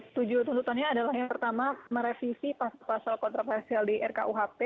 setuju tuntutannya adalah yang pertama merevisi pasal pasal kontroversial di rkuhp